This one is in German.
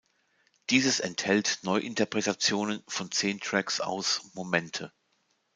Dieses enthält Neuinterpretationen von zehn Tracks aus "Momente".